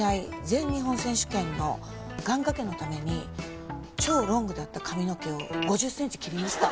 全日本選手権の願掛けのために超ロングだった髪の毛を５０ｃｍ切りました